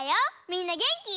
みんなげんき？